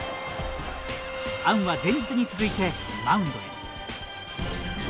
アンは前日に続いてマウンドへ。